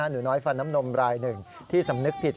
หนูน้อยฟันน้ำนมรายหนึ่งที่สำนึกผิด